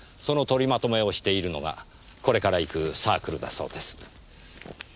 その取りまとめをしているのがこれから行くサークルだそうです。